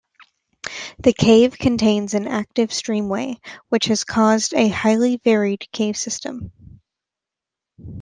The cave contains an active streamway, which has caused a highly varied cave system.